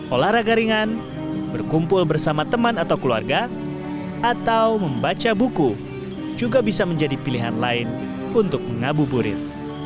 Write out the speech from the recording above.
olahraga ringan berkumpul bersama teman atau keluarga atau membaca buku juga bisa menjadi pilihan lain untuk mengabuburit